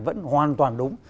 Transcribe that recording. vẫn hoàn toàn đúng